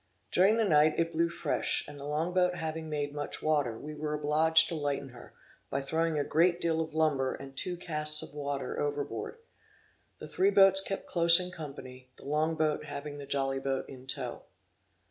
During the night, it blew fresh, and the long boat having made much water, we were obliged to lighten her, by throwing a great deal of lumber, and two casks of water, overboard. The three boats kept close in company, the long boat having the jolly boat in tow.